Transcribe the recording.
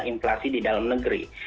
inflasi di dalam negeri